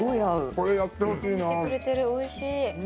これ、やってほしいな。